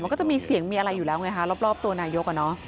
มันก็จะมีเสียงมีอะไรอยู่แล้วไงคะรอบตัวนายก